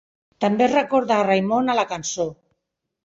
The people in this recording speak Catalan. També es recorda a Raymond a la cançó.